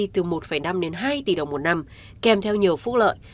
từ một năm đến hai tỷ đồng một năm kèm theo nhiều phúc lợi